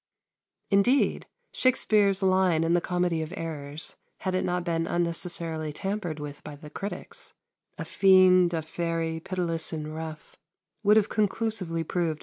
Indeed, Shakspere's line in "The Comedy of Errors," had it not been unnecessarily tampered with by the critics "A fiend, a fairy, pitiless and rough," would have conclusively proved this identity of character.